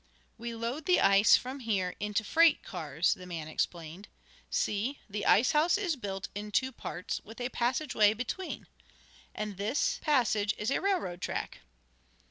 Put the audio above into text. "We load the ice from here into freight cars," the man explained. "See, the ice house is built in two parts, with a passage way between. And is this passage is a railroad track.